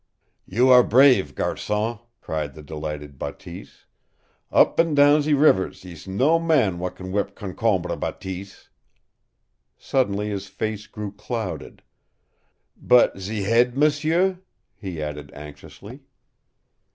"You are brave GARCON," cried the delighted Bateese. "Up an' down ze rivers ees no man w'at can whip Concombre Bateese!" Suddenly his face grew clouded. "But ze head, m'sieu?" he added anxiously.